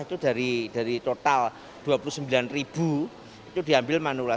misal dua puluh sembilan ribu itu diambil manula